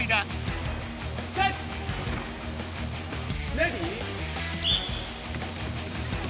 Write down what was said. レディー。